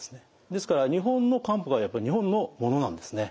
ですから日本の漢方がやっぱり日本のものなんですね。